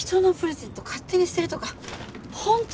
勝手に捨てるとか本当